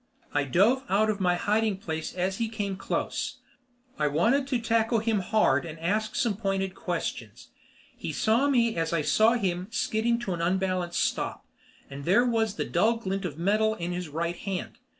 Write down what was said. I dove out of my hiding place as he came close. I wanted to tackle him hard and ask some pointed questions. He saw me as I saw him skidding to an unbalanced stop, and there was the dull glint of metal in his right hand.